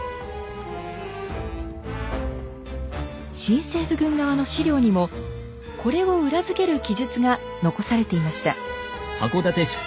新政府軍側の史料にもこれを裏付ける記述が残されていました。